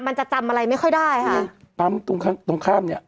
มันจะจำอะไรไม่ค่อยได้ค่ะปั๊มตรงข้างตรงข้ามเนี้ย